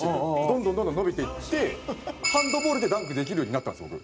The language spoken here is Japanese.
どんどんどんどん伸びていってハンドボールでダンクできるようになったんです僕。